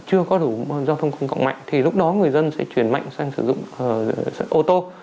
chưa có đủ giao thông công cộng mạnh thì lúc đó người dân sẽ chuyển mạnh sang sử dụng ô tô